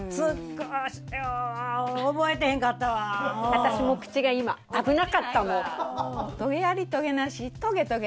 私も口が今危なかったもん。